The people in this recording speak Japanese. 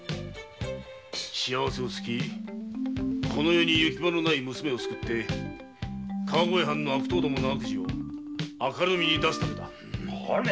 幸せ薄きこの世に行き場のない娘を救って川越藩の悪党どもの悪事を明るみに出すためだ。